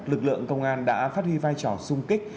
lực lượng công an đã phát huy vai trò sung kích